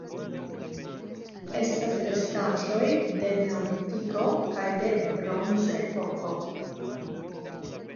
Estas restaĵoj de Neolitiko kaj de Bronzepoko.